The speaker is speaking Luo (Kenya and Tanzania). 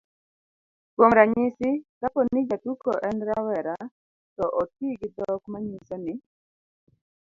kuom ranyisi, kapo ni jatuko en rawera, to oti gi dhok manyiso ni